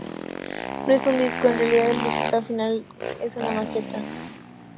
No es un disco, en realidad el resultado final es una maqueta.